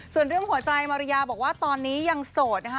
ส่วนเรื่องหัวใจมาริยาบอกว่าตอนนี้ยังโสดนะคะ